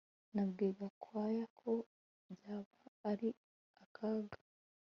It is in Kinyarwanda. Nabwiye Gakwaya ko byaba ari akaga